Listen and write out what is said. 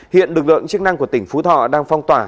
hiện lực lượng chức năng của tỉnh phú thọ đang phong tỏa